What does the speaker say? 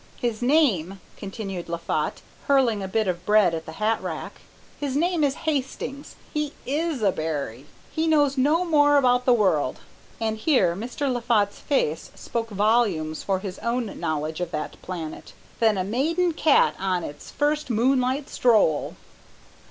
"His name," continued Laffat, hurling a bit of bread at the hat rack, "his name is Hastings. He is a berry. He knows no more about the world," and here Mr. Laffat's face spoke volumes for his own knowledge of that planet, "than a maiden cat on its first moonlight stroll."